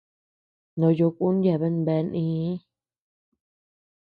Noyo kun yeabean bea nïi.